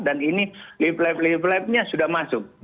dan ini lifelab lifelabnya sudah masuk